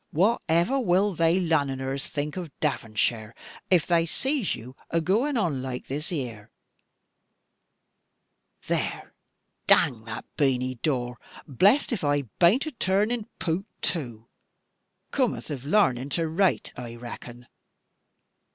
Whatever wull they Lunnoners think of Davonsheer, if they zees you agooin on laike this here? There, dang that Beany Dawe; blest if I baint a toornin Poüt too. Coomth of larnin to wraite, I reckon."